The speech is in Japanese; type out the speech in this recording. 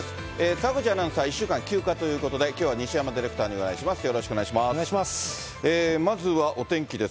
澤口アナウンサー、１週間休暇ということで、きょうは西山ディレクターにお願いします。